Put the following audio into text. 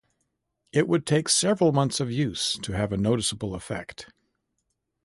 It would take several months of use to have a noticeable effect.